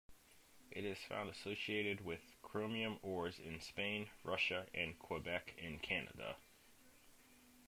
It is found associated with chromium ores in Spain, Russia, and Quebec in Canada.